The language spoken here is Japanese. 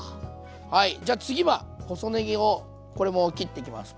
はいじゃあ次は細ねぎをこれも切っていきます。